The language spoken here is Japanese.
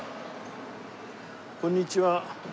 こんにちは。